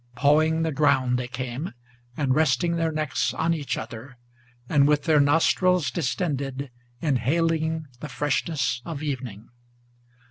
Pawing the ground they came, and resting their necks on each other, And with their nostrils distended inhaling the freshness of evening.